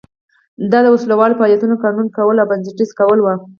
دا د وسله والو فعالیتونو قانوني کول او بنسټیزه کول و.